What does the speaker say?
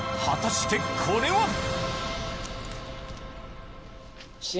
果たしてこれは？